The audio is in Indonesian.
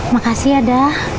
makasih ya dah